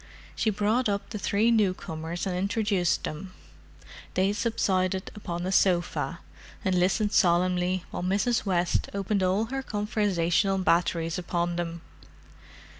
She brought up the three newcomers and introduced them. They subsided upon a sofa, and listened solemnly while Mrs. West opened all her conversational batteries upon them.